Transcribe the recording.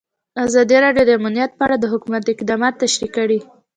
ازادي راډیو د امنیت په اړه د حکومت اقدامات تشریح کړي.